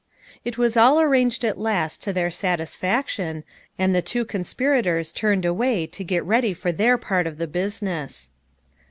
It was all arranged at last to their satisfac tion, and the two conspirators turned away to get ready for their part of the business.